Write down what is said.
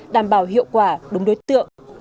đảm bảo hiệu quả đúng đối tượng